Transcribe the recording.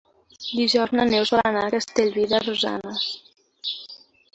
Dijous na Neus vol anar a Castellví de Rosanes.